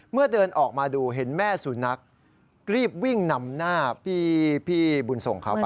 เดินออกมาดูเห็นแม่สุนัขรีบวิ่งนำหน้าพี่บุญส่งเขาไป